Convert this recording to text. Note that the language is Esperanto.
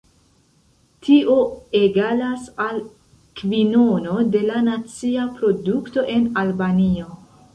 Tio egalas al kvinono de la nacia produkto en Albanio.